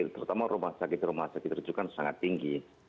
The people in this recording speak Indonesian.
terutama rumah sakit rumah sakit itu juga sangat tinggi